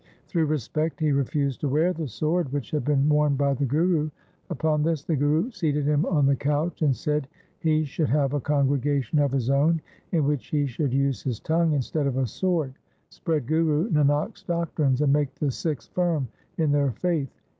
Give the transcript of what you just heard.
Through respect he refused to wear the sword which had been worn by the Guru. Upon this the Guru seated him on the couch, and said he should have a congregation of his own, in which he should use his tongue instead of a sword, spread Guru Nanak's doctrines, and make the Sikhs firm in their faith.